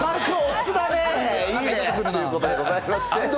いいねぇ。ということでございまして。